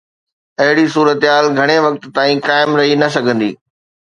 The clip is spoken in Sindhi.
اهڙي صورتحال گهڻي وقت تائين قائم رهي نه سگهندي.